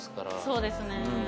そうですね。